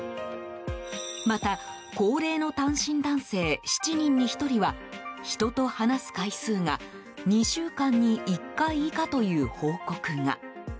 また、高齢の単身男性７人に１人は人と話す回数が２週間に１回以下という報告が。